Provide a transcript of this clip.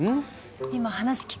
今話聞く